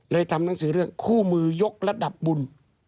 ทำหนังสือเรื่องคู่มือยกระดับบุญ